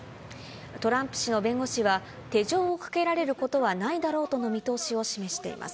トランプ氏の弁護士は、手錠をかけられることはないだろうとの見通しを示しています。